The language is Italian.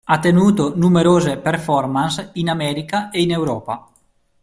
Ha tenuto numerose "performance" in America e in Europa.